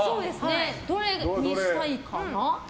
どれにしたいかな？